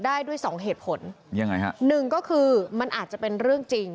ได้ด้วยสองเหตุผลยังไงฮะหนึ่งก็คือมันอาจจะเป็นเรื่องจริง